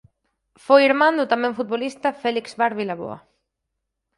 Foi irmán do tamén futbolista Félix Bar Vilaboa.